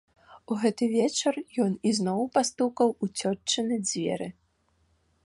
У гэты вечар ён ізноў пастукаў у цётчыны дзверы.